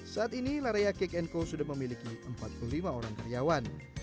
saat ini larea kekenko sudah memiliki empat puluh lima orang karyawan